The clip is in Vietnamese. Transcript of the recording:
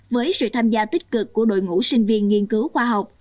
với sự tham gia tích cực của đội ngũ sinh viên nghiên cứu khoa học